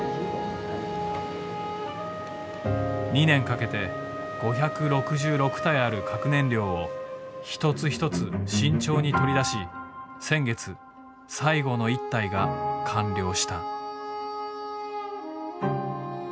２年かけて５６６体ある核燃料を一つ一つ慎重に取り出し先月最後の１体が完了した。